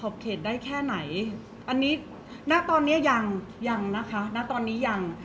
เพราะว่าสิ่งเหล่านี้มันเป็นสิ่งที่ไม่มีพยาน